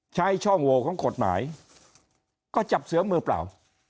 ใช้ช่องโหวของกฎหมายก็จับเสือมือเปล่า